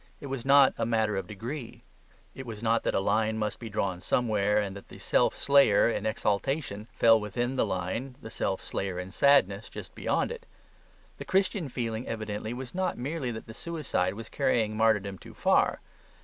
It was not a matter of degree. It was not that a line must be drawn somewhere, and that the self slayer in exaltation fell within the line, the self slayer in sadness just beyond it. The Christian feeling evidently was not merely that the suicide was carrying martyrdom too far.